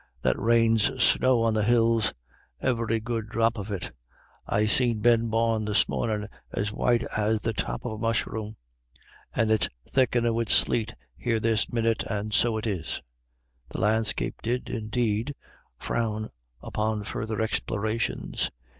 That rain's snow on the hills, every could drop of it; I seen Ben Bawn this mornin' as white as the top of a musharoon, and it's thickenin' wid sleet here this minute, and so it is." The landscape did, indeed, frown upon further explorations.